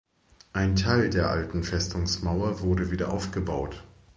Ein Teil der alten Festungsmauer wurde wieder aufgebaut.